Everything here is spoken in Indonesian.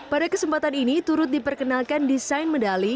pada kesempatan ini turut diperkenalkan desain medali